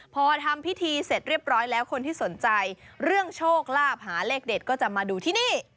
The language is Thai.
พอทำพิธีเสร็จเรียบร้อยแล้วคนที่สนใจเรื่องโชคลาภหาเลขเด็ดก็จะมาดูที่นี่